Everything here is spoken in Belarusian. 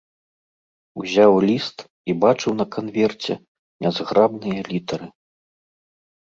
Узяў ліст і бачыў на канверце нязграбныя літары.